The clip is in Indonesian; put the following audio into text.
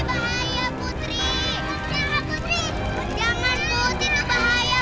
nanda putri itu bahaya